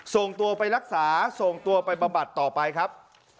ส่งตัวไปรักษาส่งตัวไปบำบัดต่อไปครับ